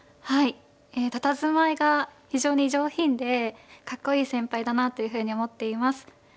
たたずまいが非常に上品でかっこいい先輩だなというふうに思っています。